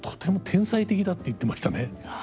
天才的だ」って言ってましたね。